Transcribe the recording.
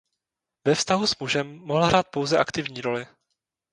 Ve vztahu s mužem mohl hrát pouze aktivní roli.